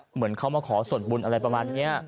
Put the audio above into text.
เหมือนเขามาขอส่วนบุญอะไรประมาณนี้